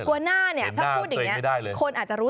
หัวหน้าเนี่ยถ้าพูดอย่างนี้คนอาจจะรู้